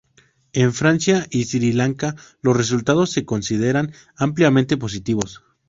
En Francia y Sri Lanka, los resultados se consideran ampliamente positivos.